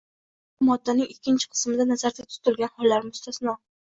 bundan ushbu moddaning ikkinchi qismida nazarda tutilgan hollar mustasno.